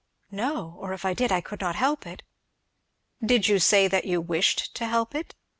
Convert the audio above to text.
"No! or if I did I could not help it." "Did you say that you wished to help it?"